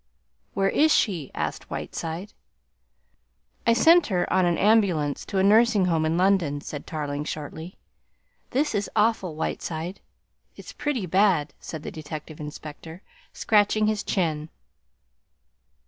"Where is she?" asked Whiteside "I sent her on an ambulance to a nursing home in London," said Tarling shortly. "This is awful, Whiteside." "It's pretty bad," said the detective inspector, scratching his chin.